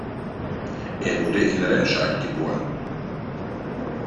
Er wurde in Remscheid geboren